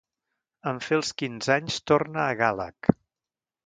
En fer els quinze anys torna a Galhac.